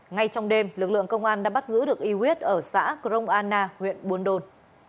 ngay trong đêm lực lượng công an đã bắt giữ được y huyết ở xã crong anna huyện buôn đôn